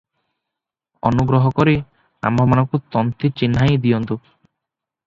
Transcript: ଅନୁଗ୍ରହ କରି ଆମ୍ଭମାନଙ୍କୁ ତନ୍ତୀ ଚିହ୍ନାଇ ଦେଉଁନ୍ତୁ ।